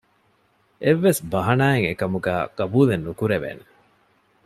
އެއްވެސް ބަހަނާއެއް އެކަމުގައި ޤަބޫލެއް ނުކުރެވޭނެ